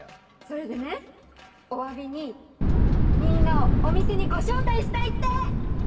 それでねお詫びにみんなをお店にご招待したいって！